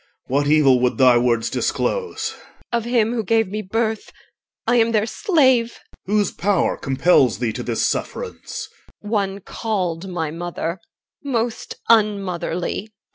What evil would thy words disclose? EL. Of him who gave me birth. I am their slave. OR. Whose power compels thee to this sufferance? EL. One called my mother, most unmotherly.